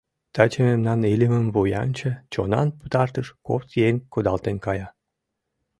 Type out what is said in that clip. Таче мемнан илемым вуянче чонан пытартыш кок еҥ кудалтен кая.